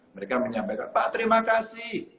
mereka menyampaikan pak terima kasih